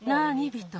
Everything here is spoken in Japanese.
ビト。